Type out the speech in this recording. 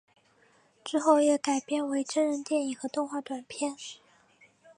之后也改编为真人电影和动画短片。